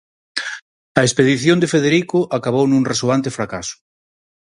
A expedición de Federico acabou nun resoante fracaso.